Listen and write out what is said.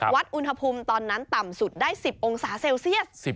วัดอุณหภูมิตอนนั้นต่ำสุดได้๑๐องศาเซลเซียส